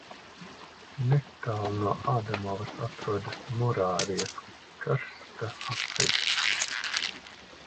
Netālu no Adamovas atrodas Morāvijas karsta apvidus.